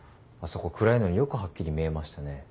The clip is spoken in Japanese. あそこ暗いのによくはっきり見えましたね。